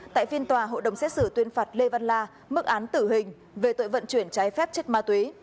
tại phiên tòa hội đồng xét xử tuyên phạt lê văn la mức án tử hình về tội vận chuyển trái phép chất ma túy